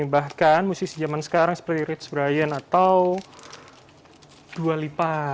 bahkan musisi zaman sekarang seperti rich brian atau dua lipa